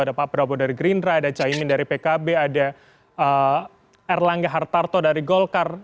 ada pak prabowo dari gerindra ada caimin dari pkb ada erlangga hartarto dari golkar